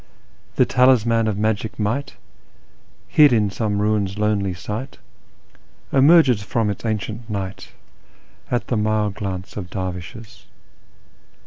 "" The talisman of magic might, hid in some ruin's lonely site, Emerges from its ancient night at the mild glance of dervishes."